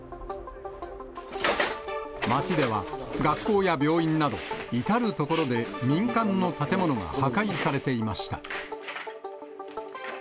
町では学校や病院など、至る所で、民間の建物が破壊されていました。